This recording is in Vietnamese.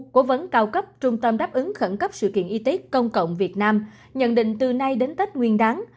cao cấp trung tâm đáp ứng khẩn cấp sự kiện y tế công cộng việt nam nhận định từ nay đến tết nguyên đán